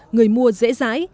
người mua dễ dãi